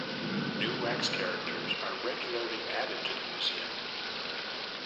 New wax characters are regularly added to the Museum.